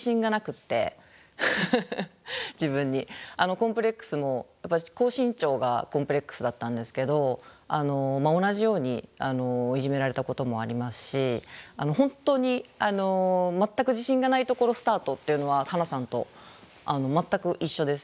コンプレックスも私高身長がコンプレックスだったんですけど同じようにいじめられたこともありますし本当に全く自信がないところスタートっていうのはハナさんと全く一緒です。